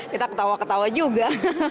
kita ketawa ketawa juga